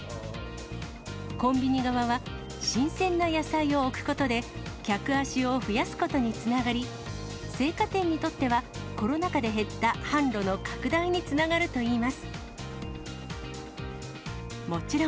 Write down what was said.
コンビニ側は、新鮮な野菜を置くことで、客足を増やすことにつながり、青果店にとっては、コロナ禍で減った販路の拡大につながるといいます。